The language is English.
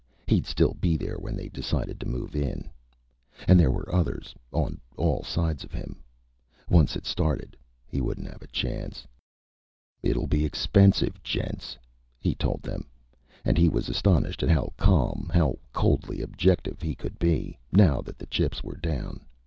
He'd still be there when they decided to move in. And there were others on all sides of him. Once it started, he wouldn't have a chance. "It'll be expensive, gents," he told them. And he was astonished at how calm, how coldly objective he could be, now that the chips were down.